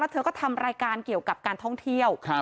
เธอก็ทำรายการเกี่ยวกับการท่องเที่ยว